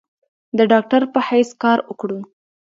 د ډاکټر پۀ حېث کار اوکړو ۔